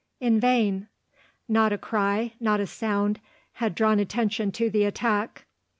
in vain! Not a cry, not a sound, had drawn attention to the attack.